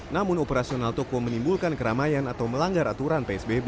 namun operasional toko menimbulkan keramaian atau melanggar aturan psbb